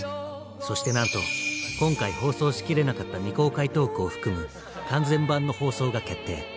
そしてなんと今回放送しきれなかった未公開トークを含む完全版の放送が決定。